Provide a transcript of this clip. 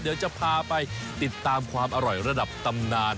เดี๋ยวจะพาไปติดตามความอร่อยระดับตำนาน